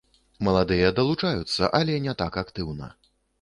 Маладыя далучаюцца, але не так актыўна.